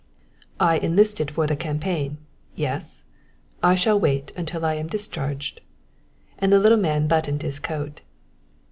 "I enlisted for the campaign yes? I shall wait until I am discharged." And the little man buttoned his coat.